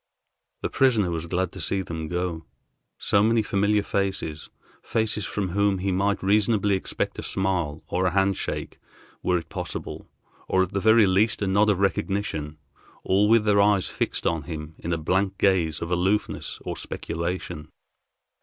The prisoner was glad to see them go. So many familiar faces, faces from whom he might reasonably expect a smile, or a handshake, were it possible, or at the very least a nod of recognition, all with their eyes fixed on him, in a blank gaze of aloofness or speculation.